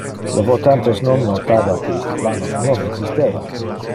Le votantes non notava que iste planos non existeva.